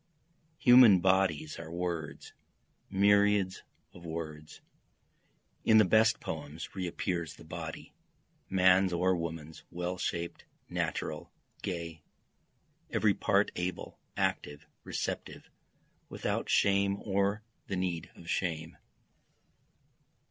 Human bodies are words, myriads of words, (In the best poems re appears the body, man's or woman's, well shaped, natural, gay, Every part able, active, receptive, without shame or the need of shame.)